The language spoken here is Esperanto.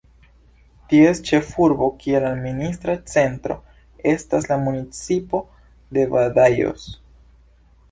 Ties ĉefurbo, kiel administra centro, estas la municipo de Badajoz.